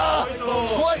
怖い！